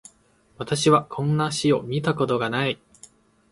私はこんな詩を見たことがない